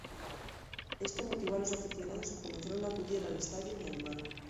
Esto motivó a los aficionados, que comenzaron a acudir al estadio y a animar.